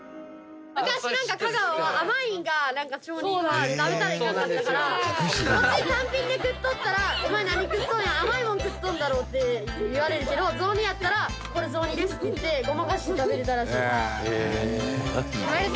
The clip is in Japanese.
昔香川は甘いのが町人は食べたらいかんかったから餅単品で食っとったらお前何食っとんや甘いもの食っとんだろうって言われるけど雑煮やったらこれ雑煮ですっていってごまかして食べれたらしい。